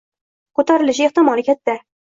Ko'tarilish ehtimoli katta